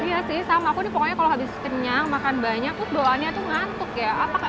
iya sih sama aku nih pokoknya kalau habis kenyang makan banyak terus doanya tuh ngantuk ya